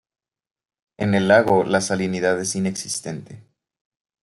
En el lago la salinidad es inexistente.